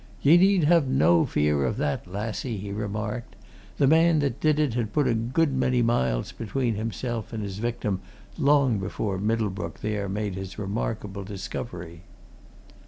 "Ye need have no fear of that, lassie!" he remarked. "The man that did it had put a good many miles between himself and his victim long before Middlebrook there made his remarkable discovery."